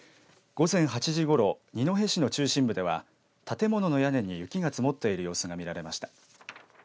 午前８時ごろ二戸市の中心部では建物の屋根に雪が積もっている様子が見られました。